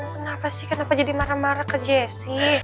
kenapa sih kenapa jadi marah marah ke jessi